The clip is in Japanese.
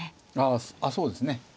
あっそうですね。